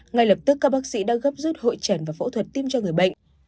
ngay lập tức các bác sĩ đã gấp rút hội trần và phẫu thuật tim cho người bệnh